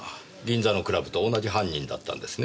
銀座のクラブと同じ犯人だったんですね？